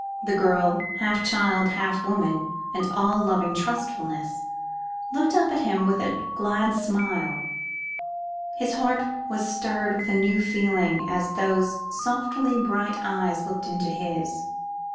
The girl half child, half woman, and all loving trustfulness, looked up at him with a glad smile. His heart was stirred with a new feeling as those softly bright eyes looked into his.